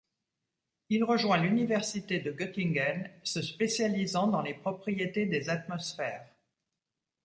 Il rejoint l'Université de Göttingen, se spécialisant dans les propriétés des atmosphères.